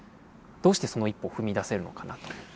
どうしてその一歩を踏み出せるのかなと。